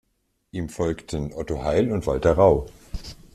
Ihm folgten Otto Heil und Walter Rau.